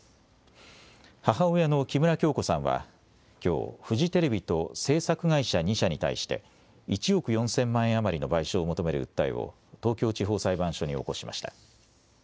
母親の木村響子さんはきょうフジテレビと制作会社２社に対して１億４０００万円余りの賠償を求める訴えを東京地方裁判所に起こしました。